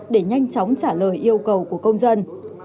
để nhanh chóng trả lời yêu cầu của công dân